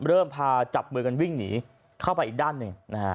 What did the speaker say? เริ่มพาจับมือกันวิ่งหนีเข้าไปอีกด้านหนึ่งนะฮะ